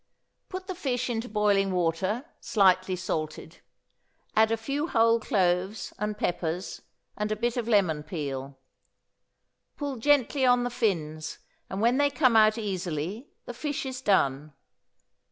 Put the fish into boiling water, slightly salted; add a few whole cloves and peppers, and a bit of lemon peel; pull gently on the fins, and when they come out easily the fish is done.